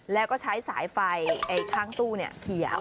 แล้วก็ใช้สายไฟข้างตู้เขียว